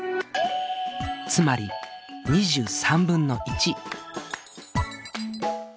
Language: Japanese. つまり２３分の１。